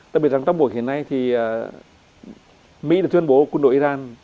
tại vì rằng trong buổi hiện nay thì mỹ đã tuyên bố quân đội iran